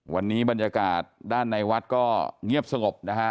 วันนี้บรรยากาศด้านในวัดก็เงียบสงบนะฮะ